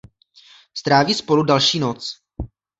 Stráví spolu další noc.